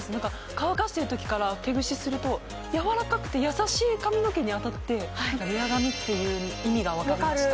乾かしてるときから手ぐしするとやわらかくて優しい髪の毛に当たってレア髪っていう意味がわかりました